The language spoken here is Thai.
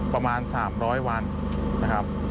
ประมาณ๓๐๐วันนะครับ